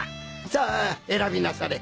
さあ選びなされ！